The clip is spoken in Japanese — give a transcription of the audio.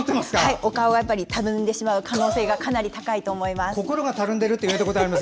お顔がたるんでしまう可能性がかなり高いと思います。